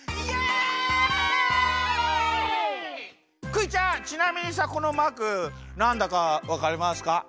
クイちゃんちなみにさこのマークなんだかわかりますか？